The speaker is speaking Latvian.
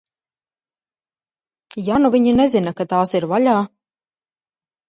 Ja nu viņi nezina, ka tās ir vaļā?